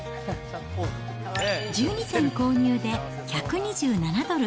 １２点購入で、１２７ドル。